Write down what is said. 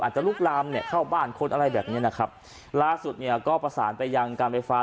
อาจจะลุกลามเข้าบ้านคนอะไรแบบนี้ลักษณ์สุดก็ประสานไปยังการไฟฟ้า